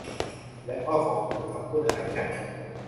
และพ่อของคุณ เขาพูดอะไรน่ะ